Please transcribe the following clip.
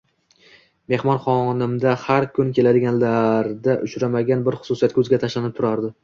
Mehmon xonimda xar kun keladiganlarda uchramagan bir xususiyat ko'zga tashlanib turardi.